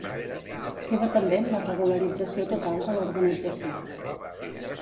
Queda pendent la regularització total de la urbanització.